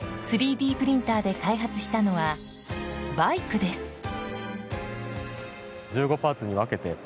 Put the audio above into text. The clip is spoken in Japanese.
３Ｄプリンターで開発したのはバイクです。